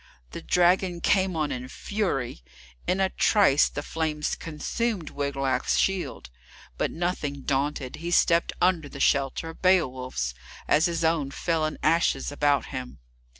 The dragon came on in fury; in a trice the flames consumed Wiglaf's shield, but, nothing daunted, he stepped under the shelter of Beowulf's, as his own fell in ashes about him.